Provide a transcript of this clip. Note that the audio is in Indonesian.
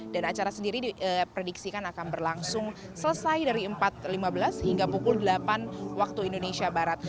dan acara sendiri diprediksikan akan berlangsung selesai dari empat lima belas hingga pukul delapan waktu indonesia barat